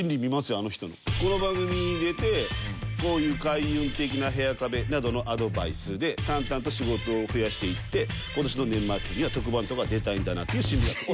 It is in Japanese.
この番組に出てこういう開運的な部屋壁などのアドバイスで淡々と仕事を増やしていって今年の年末には特番とか出たいんだなという心理学。